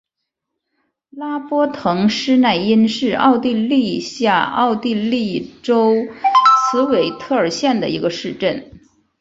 拉波滕施泰因是奥地利下奥地利州茨韦特尔县的一个市镇。